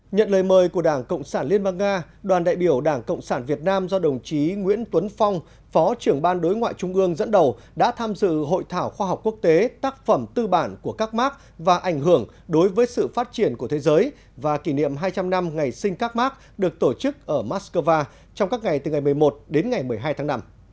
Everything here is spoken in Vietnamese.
nhận lời mời của đảng cộng sản liên bang nga đoàn đại biểu đảng cộng sản việt nam do đồng chí nguyễn tuấn phong phó trưởng ban đối ngoại trung ương dẫn đầu đã tham dự hội thảo khoa học quốc tế tác phẩm tư bản của các mác và ảnh hưởng đối với sự phát triển của thế giới và kỷ niệm hai trăm linh năm ngày sinh các mác được tổ chức ở moscow trong các ngày từ ngày một mươi một đến ngày một mươi hai tháng năm